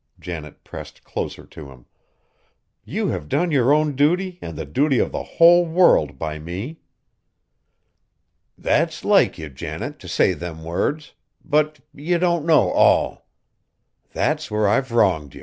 Janet pressed closer to him. "You have done your own duty and the duty of the whole world by me!" "That's like ye, Janet, t' say them words; but ye don't know all! That's whar I've wronged ye."